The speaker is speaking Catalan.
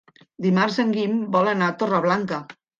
Dimarts en Guim vol anar a Torreblanca.